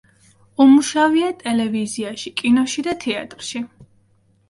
უმუშავია ტელევიზიაში, კინოში და თეატრში.